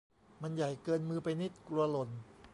มันใหญ่เกินมือไปนิด กลัวหล่น